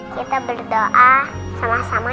kita berdoa sama sama